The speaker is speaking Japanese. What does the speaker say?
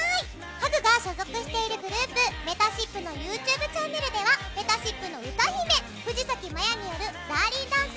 ハグが所属しているグループめたしっぷのＹｏｕＴｕｂｅチャンネルではめたしっぷの歌姫藤咲まやによる「ダーリンダンス」